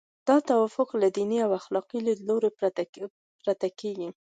دا توافق له دیني او اخلاقي لیدلوري پرته کیږي.